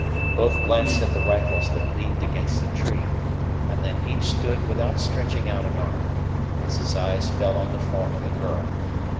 Both glanced at the rifles that leaned against a tree; and then each stood without stretching out an arm, as his eyes fell on the form of the girl.